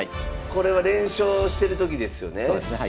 これは連勝してる時ですよね？